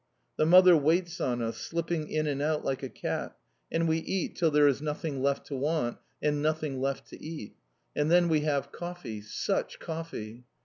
The mother waits on us, slipping in and out like a cat, and we eat till there is nothing left to want, and nothing left to eat. And then we have coffee such coffee!